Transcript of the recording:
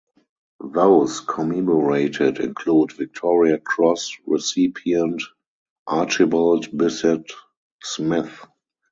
Those commemorated include Victoria Cross recipient, Archibald Bisset Smith.